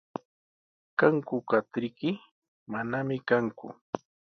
¿Kanku katriyki? Manami kanku.